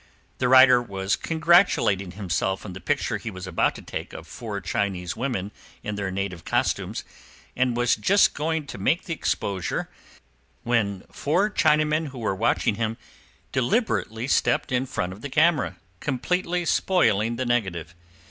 The writer was congratulating himself on the picture he was about to take of four Chinese women in their native costumes, and was just going to make the exposure, when four Chinamen who were watching him deliberately stepped in front of the camera, completely spoiling the negative.